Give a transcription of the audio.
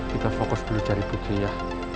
kita fokus dulu cari putri ya